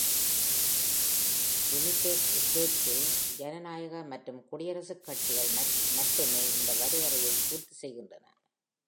United ஸ்டேட்ஸ்யில், ஜனநாயக மற்றும் குடியரசுக் கட்சிகள் மட்டுமே இந்த வரையறையை பூர்த்தி செய்கின்றன.